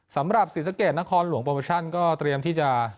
สำหรับศรีสักเกตนครหลวงโปรโมชั่นก็เตรียมที่จะ